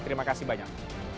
terima kasih banyak